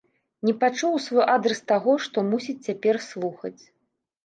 Не пачуў у свой адрас таго, што мусіць цяпер слухаць.